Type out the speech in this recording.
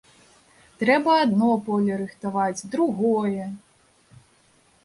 Трэба адно поле рыхтаваць, другое.